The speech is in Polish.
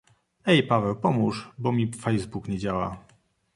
Ej, Paweł, pomóż, bo mi Facebook nie działa...